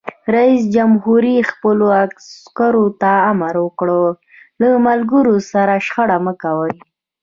رئیس جمهور خپلو عسکرو ته امر وکړ؛ له ملګرو سره شخړه مه کوئ!